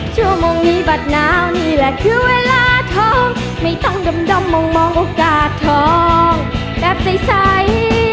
ชั่วโมงมีบัตรหนาวนี่แหละคือเวลาทองไม่ต้องดมมองโอกาสทองแบบใส